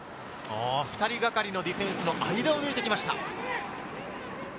２人がかりのディフェンスの間を抜いて来ました。